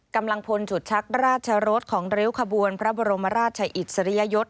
กำลังพลจุดชักราชรสของริ้วขบวนพระบรมราชอิสริยยศ